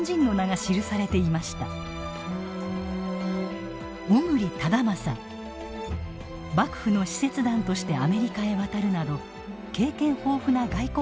幕府の使節団としてアメリカへ渡るなど経験豊富な外交官でした。